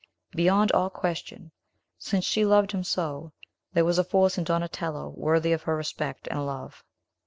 Beyond all question, since she loved him so, there was a force in Donatello worthy of her respect and love.